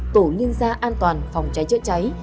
tổ liên gia an toàn phòng cháy cháy cháy